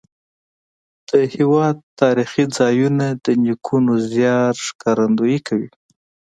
د هېواد تاریخي ځایونه د نیکونو زیار ښکارندویي کوي.